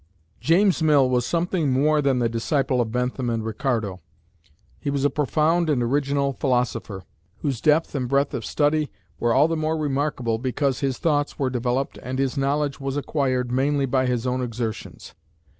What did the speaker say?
James Mill was something more than the disciple of Bentham and Ricardo. He was a profound and original philosopher, whose depth and breadth of study were all the more remarkable because his thoughts were developed and his knowledge was acquired mainly by his own exertions.